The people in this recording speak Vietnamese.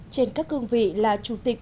trên các cương vị là chủ tịch